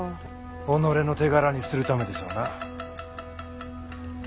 己の手柄にするためでしょうな。